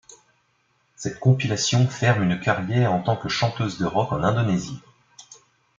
Cette compilation ferme une carrière en tant que chanteuse de rock en Indonésie.